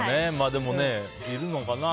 でも、いるのかな。